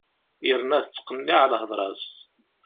Yerna tettqenniɛ lhedra-s.